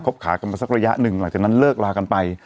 ขากันมาสักระยะหนึ่งหลังจากนั้นเลิกลากันไป